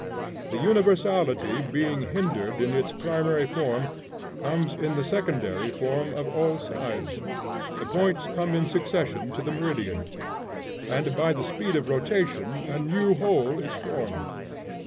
The universality being hindered in its primary form, comes in the secondary form of all sides; the points come in succession to the meridian, and by the speed of rotation a new whole is formed.